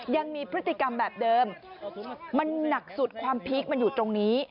ยังมีพฤติกรรมแบบเดิมมันหนักสุดความพีคมันอยู่ตรงนี้